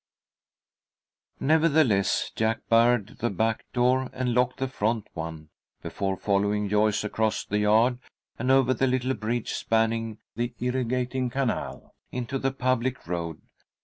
Nevertheless, Jack barred the back door and locked the front one, before following Joyce across the yard, and over the little bridge spanning the irrigating canal, into the public road.